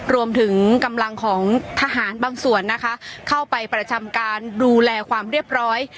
รวมถึงกำลังของทหารบางส่วนนะคะเข้าไปประจำการดูแลความเรียบร้อย